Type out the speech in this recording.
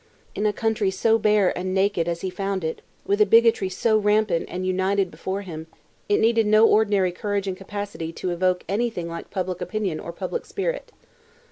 In a country so bare and naked as he found it; with a bigotry so rampant and united before him; it needed no ordinary courage and capacity to evoke anything like public opinion or public spirit.